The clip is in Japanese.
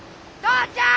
父ちゃん！